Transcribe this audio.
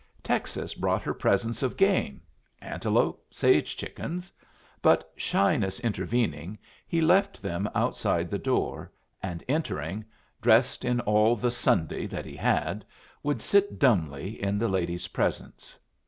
Texas brought her presents of game antelope, sage chickens but, shyness intervening, he left them outside the door, and entering, dressed in all the "Sunday" that he had, would sit dumbly in the lady's presence.